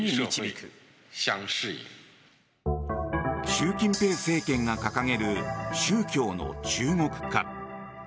習近平政権が掲げる宗教の中国化。